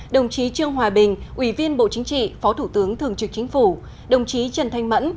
đồng chí trương hòa bình ủy viên bộ chính trị phó thủ tướng thường trực chính phủ đồng chí trần thanh mẫn